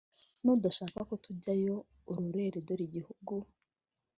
nudashaka ko tujyanayo urorere Dore igihugu